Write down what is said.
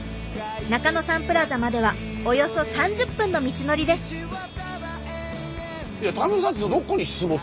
中野サンプラザまではおよそ３０分の道のりです。え？